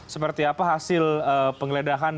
seperti apa hasil pengledahan